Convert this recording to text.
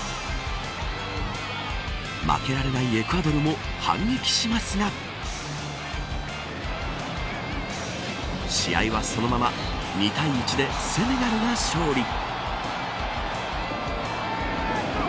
負けられないエクアドルも反撃しますが試合は、そのまま２対１でセネガルが勝利。